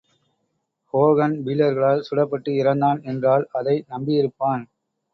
Hogan பீலர்களால் சுடப்பட்டு இறந்தான் என்றால், அதை நம்பியிருப்பான்.